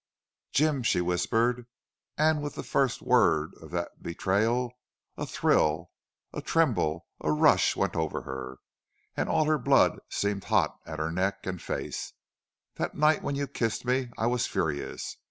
"Jim," she whispered, and with the first word of that betrayal a thrill, a tremble, a rush went over her, and all her blood seemed hot at her neck and face, "that night when you kissed me I was furious.